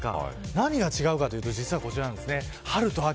何が違うかというとこちらなんです。